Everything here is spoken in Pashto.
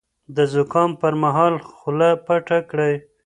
د زکام پر مهال خوله پټه کړئ.